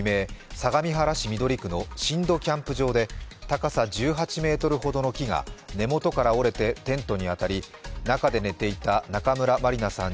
相模原市緑区の新戸キャンプ場で高さ１８ｍほどの木が根元から折れてテントに当たり、中で寝ていた中村まりなさん